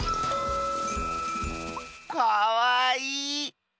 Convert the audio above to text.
かわいい！